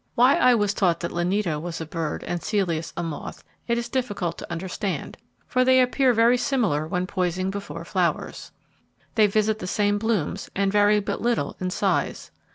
Why I was taught that Lineata was a bird, and Celeus a moth, it is difficult to understand, for they appear very similar when poising before flowers. They visit the same blooms, and vary but little in size.